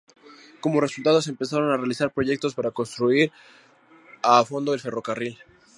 Como resultado, se empezaron a realizar proyectos para reconstruir a fondo el ferrocarril.